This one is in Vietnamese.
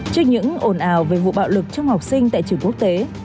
trước những ồn ào về vụ bạo lực trong học sinh tại trường quốc tế